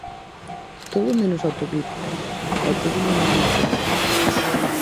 Todo menos autocrítica, e todo menos solucións.